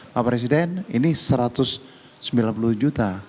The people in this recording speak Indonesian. pak presiden ini satu ratus sembilan puluh juta